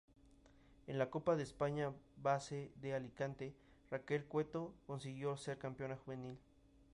En la Copa de España Base de Alicante, Raquel Cueto consiguió ser campeona juvenil.